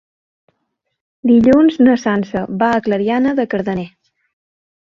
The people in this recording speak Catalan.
Dilluns na Sança va a Clariana de Cardener.